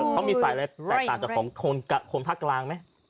แตกต่ำจากของคนพักกลางไหม